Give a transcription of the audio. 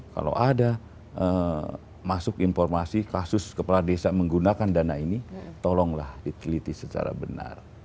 kalau ada masuk informasi kasus kepala desa menggunakan dana ini tolonglah diteliti secara benar